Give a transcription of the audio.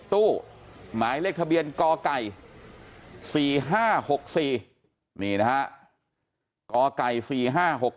ตู้หมายเลขทะเบียนกไก่สี่ห้าหกสี่นี่นะฮะกไก่สี่ห้าหก